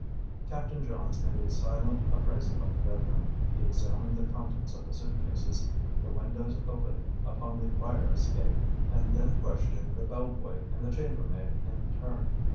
Captain Johns made a silent appraisal of the bedroom. He examined the contents of the suitcases, the windows opening upon the fire escape, and then questioned the bellboy and the chambermaid in turn.